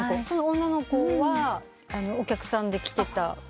その女の子はお客さんで来てた？